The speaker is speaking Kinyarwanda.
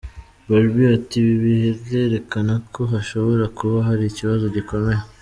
Barbie ati “Ibi birerekana ko hashobora kuba hari ikibazo gikomeye.